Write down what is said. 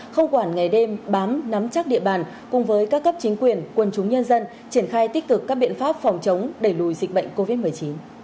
không quản ngày đêm bám nắm chắc địa bàn cùng với các cấp chính quyền quân chúng nhân dân triển khai tích cực các biện pháp phòng chống đẩy lùi dịch bệnh covid một mươi chín